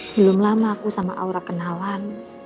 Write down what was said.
belum lama aku sama aura kenalan